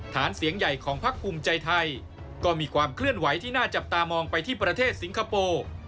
ฐานเสียงใหญ่ของพักภูมิใจไทยก็มีความเคลื่อนไหวที่น่าจับตามองไปที่ประเทศสิงคโปร์